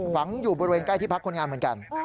ฝังอยู่บริเวณใกล้ที่พักคนงานเหมือนกัน